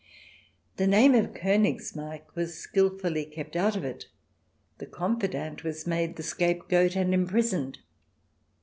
The name of Konigsmarck was skilfully kept out of it, the confidante was made the scapegoat and imprisoned.